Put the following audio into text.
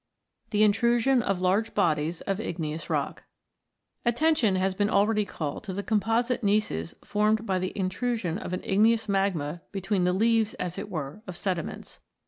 THE INTRUSION OF LARGE BODIES OF IGNEOUS ROCK Attention has been already called to the composite gneisses formed by the intrusion of an igneous magma between the leaves, as it were, of sediments.